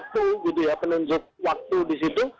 kabel ada semacam waktu penunjuk waktu di situ